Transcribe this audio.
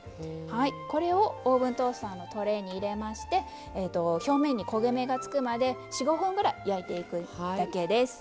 これをオーブントースターのトレーに入れまして表面に焦げ目がつくまで４５分ぐらい焼いていくだけです。